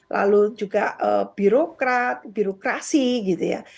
lalu juga birokrat birokrasi gitu ya